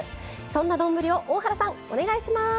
そんな丼を大原さんお願いします！